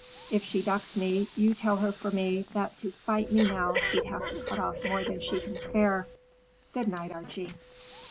If she ducks me, you tell her for me, that to spite me now she'd have to cut off more than she can spare. Good night, Archie."